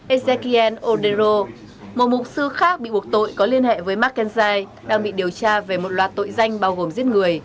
ezekien odero một mục sư khác bị buộc tội có liên hệ với mccainshi đang bị điều tra về một loạt tội danh bao gồm giết người